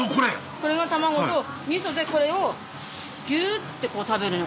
これが卵とミソでこれをギュって食べるの。